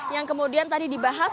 yang kemudian tadi dibahas